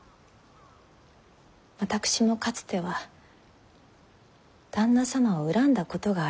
私もかつては旦那様を恨んだことがありました。